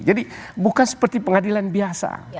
jadi bukan seperti pengadilan biasa